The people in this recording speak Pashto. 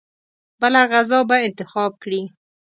بله غذا به انتخاب کړي.